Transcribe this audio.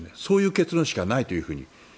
そういう結論しかないというふうに。